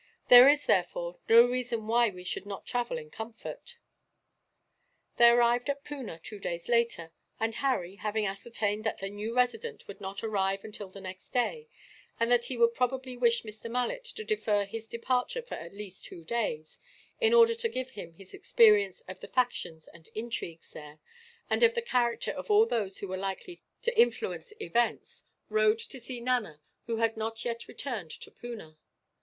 There is, therefore, no reason why we should not travel in comfort." They arrived at Poona two days later; and Harry having ascertained that the new Resident would not arrive until the next day, and that he would probably wish Mr. Malet to defer his departure for at least two days, in order to give him his experience of the factions and intrigues there, and of the character of all those who were likely to influence events rode to see Nana, who had not yet returned to Poona.